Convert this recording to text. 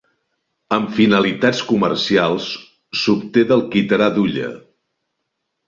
Amb finalitats comercials, s'obté del quitrà d'hulla.